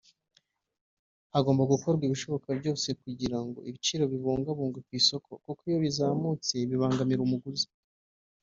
Hagomba gukorwa ibishoboka byose kugira ngo ibiciro bibungabungwe ku isoko kuko iyo bizamutse bibangamira umuguzi